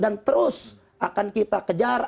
dan terus akan kita kejar